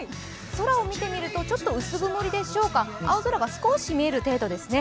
空を見てみるとちょっと薄曇りでしょうか、青空が少し見える程度ですね。